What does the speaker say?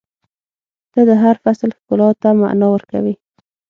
• ته د هر فصل ښکلا ته معنا ورکوې.